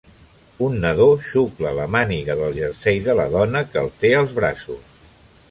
Un nadó xucla la màniga del jersei de la dona que el té als braços